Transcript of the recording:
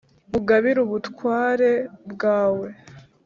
mugabire ubutware bwawe,